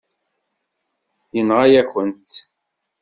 Yenɣa-yakent-tt.